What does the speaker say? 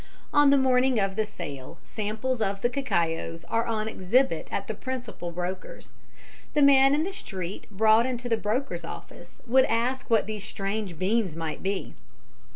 On the morning of the sale samples of the cacaos are on exhibit at the principal brokers. The man in the street brought into the broker's office would ask what these strange beans might be.